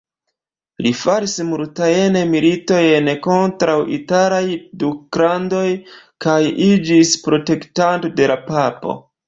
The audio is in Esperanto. Li faris multajn militojn kontraŭ italaj duklandoj kaj iĝis protektanto de la papo.